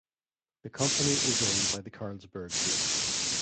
The company is owned by the Carlsberg Group.